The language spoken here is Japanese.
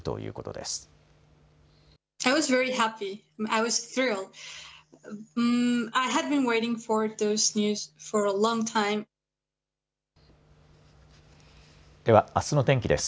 ではあすの天気です。